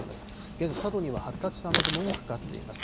現在、佐渡には発達した雨雲もかかっています。